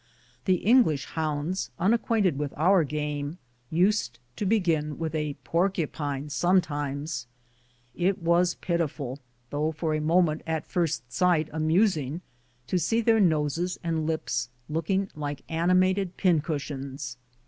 The English hounds, unacquainted with our game, used to begin with a porcupine sometimes. It was pitiful, though for a moment at first siglit amusing, to see their noses and lips looking like animated pin cushions.